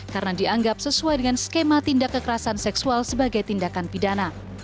karena dianggap sesuai dengan skema tindak kekerasan seksual sebagai tindakan pidana